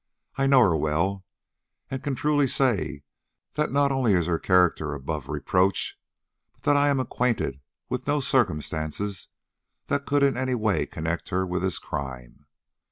I know her well, and can truly say that not only is her character above reproach, but that I am acquainted with no circumstances that could in any way connect her with this crime.